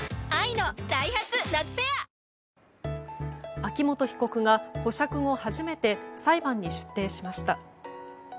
秋元被告が保釈後初めて裁判に出廷しました。